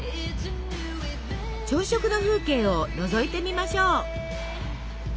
朝食の風景をのぞいてみましょう。